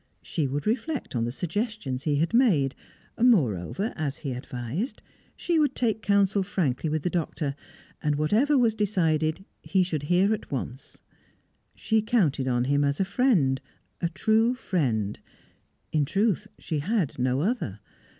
She would reflect on the suggestions he had made; moreover, as he advised, she would take counsel frankly with the Doctor; and, whatever was decided, he should hear at once. She counted on him as a friend, a true friend; in truth, she had no other.